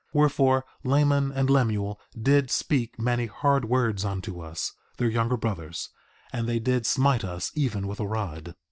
Wherefore Laman and Lemuel did speak many hard words unto us, their younger brothers, and they did smite us even with a rod.